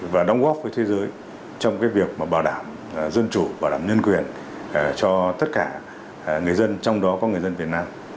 và đóng góp với thế giới trong cái việc mà bảo đảm dân chủ bảo đảm nhân quyền cho tất cả người dân trong đó có người dân việt nam